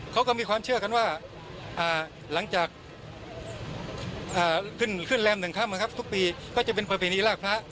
เขาก็มีความเชื่อกันว่าหลังจากขึ้นแรม๑ค่ำทุกปีก็จะเป็นประเพณีลากพระ